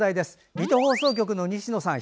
水戸放送局の西野さん